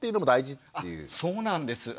そうなんです。